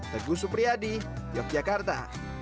teguh supriyadi yogyakarta